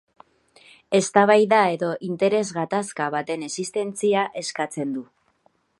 Eztabaida edo interes-gatazka baten existentzia eskatzen du.